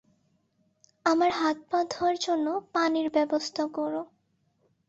আমার হাত-পা ধোয়ার জন্য পানির ব্যবস্থা করো।